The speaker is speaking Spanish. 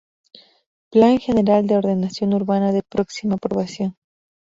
Plan General de Ordenación Urbana de próxima aprobación.